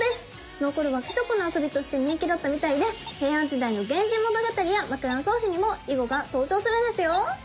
そのころは貴族の遊びとして人気だったみたいで平安時代の「源氏物語」や「枕草子」にも囲碁が登場するんですよ！